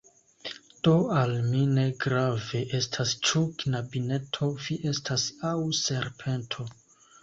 Do al mi ne grave estas ĉu knabineto vi estas aŭ serpento!